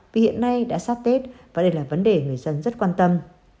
vì hiện nay đã sát tết và đây là vấn đề người dân rất quan tâm